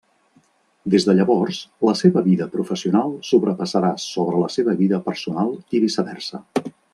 Des de llavors, la seva vida professional sobrepassarà sobre la seva vida personal, i viceversa.